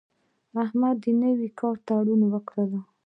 احمد د نوي کار تړون وکړ.